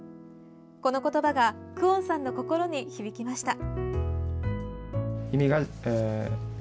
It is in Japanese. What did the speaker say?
この言葉がクオンさんの心に響きました。